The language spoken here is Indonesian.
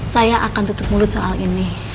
saya akan tutup mulut soal ini